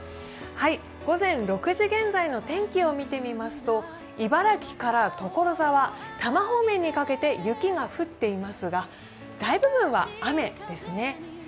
午前６時現在の天気を見てみますと茨城から所沢、多摩方面にかけて雪が降っていますが大部分は雨ですね。